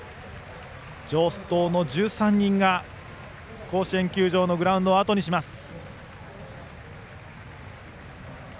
城東の１３人が甲子園球場のグラウンドをあとにします。